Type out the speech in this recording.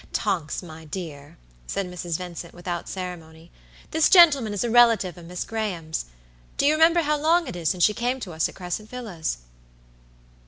"Tonks, my dear," said Mrs. Vincent, without ceremony, "this gentleman is a relative of Miss Graham's. Do you remember how long it is since she came to us at Crescent Villas?"